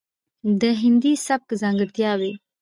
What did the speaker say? ،دهندي سبک ځانګړتياوې،